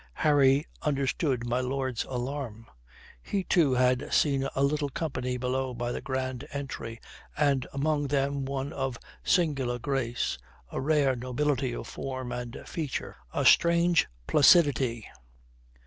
Harry understood my lord's alarm. He, too, had seen a little company below by the grand entry, and among them one of singular grace, a rare nobility of form and feature, a strange placidity.